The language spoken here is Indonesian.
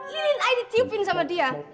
lilin ayo ditiupin sama dia